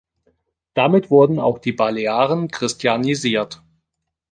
Damit wurden auch die Balearen christianisiert.